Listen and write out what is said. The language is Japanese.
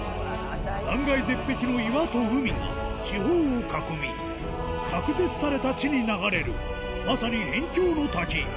断崖絶壁の岩と海が四方を囲み隔絶された地に流れるまさに辺境の滝